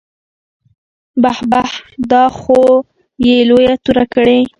بح بح دا خو يې لويه توره کړې.